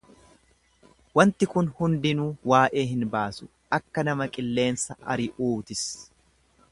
wanti kun hundinuu waa'ee hin baasu, akka nama qilleensa ari'uu tis;